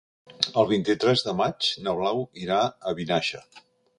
El vint-i-tres de maig na Blau irà a Vinaixa.